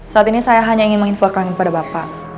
saat ini saya hanya ingin menginfokan kepada bapak